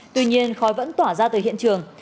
tuy nhiên khói vẫn tỏa ra từ hiện trường